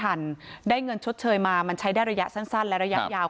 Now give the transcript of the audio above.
เพราะว่าถ้ามันได้เงินชดเชยมามันใช้ได้ระยะสั้นสั้นและระยะยาว